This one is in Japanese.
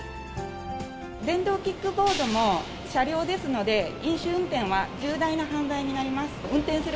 電動キックボードも車両ですので、飲酒運転は重大な犯罪になります。